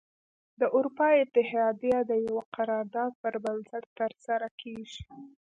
د اروپا اتحادیه د یوه قرار داد پر بنسټ تره سره کیږي.